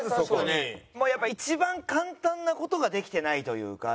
やっぱ一番簡単な事ができてないというか。